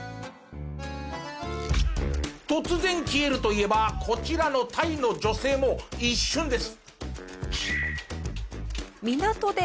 突然消えるといえばこちらのタイの女性も一瞬です。